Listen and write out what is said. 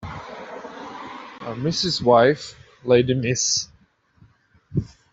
Mrs. wife lady Miss